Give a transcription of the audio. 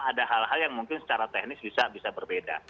ada hal hal yang mungkin secara teknis bisa berbeda